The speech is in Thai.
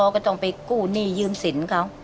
ก็ต้องไปกู้หนี้ยืมสินเขา